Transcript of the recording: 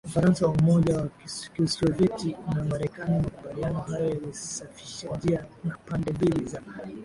Ufaransa Umoja wa Kisovyeti na Marekani Makubaliano hayo yalisafisha njia na pande mbili za